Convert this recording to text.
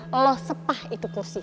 lo sepah itu kursi